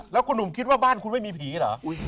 แล้วคุณหนุ่มคิดว่าบ้านคุณไม่มีผีเหรอ